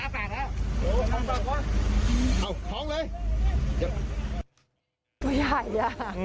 ตัวใหญ่อ่ะ